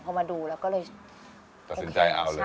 พอมาดูแล้วก็เลยโอเคใช่